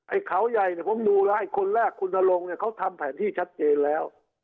เขาใหญ่เนี่ยผมดูแล้วไอ้คนแรกคุณนรงเนี่ยเขาทำแผนที่ชัดเจนแล้ว